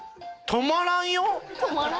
止まらんよ。